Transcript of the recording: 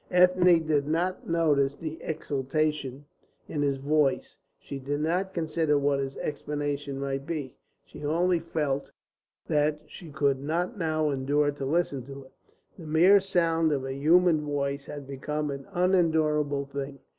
Ethne did not notice the exultation in his voice; she did not consider what his explanation might be; she only felt that she could not now endure to listen to it. The mere sound of a human voice had become an unendurable thing.